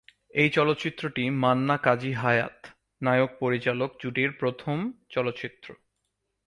এই চলচ্চিত্রটি "মান্না-কাজী হায়াৎ" নায়ক-পরিচালক জুটির প্রথম চলচ্চিত্র।